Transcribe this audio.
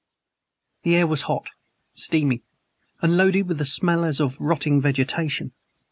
The air was hot, steamy, and loaded with a smell as of rotting vegetation.